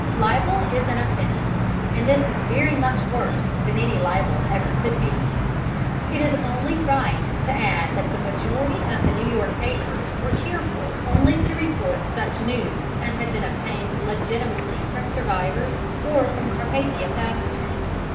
Libel is an offence, and this is very much worse than any libel could ever be. It is only right to add that the majority of the New York papers were careful only to report such news as had been obtained legitimately from survivors or from Carpathia passengers.